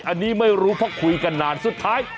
อันนี้ไม่รู้เพราะคุยกันนานสุดท้าย